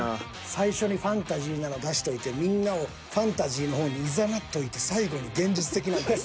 最初にファンタジーなの出しといてみんなをファンタジーの方にいざなっといて最後に現実的なん出す。